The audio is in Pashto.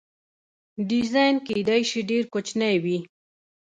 ډیزاین کیدای شي ډیر کوچنی وي.